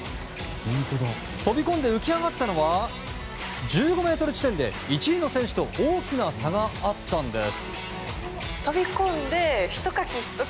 飛び込んで浮き上がったのは１５ｍ地点で１位の選手と大きな差があったんです。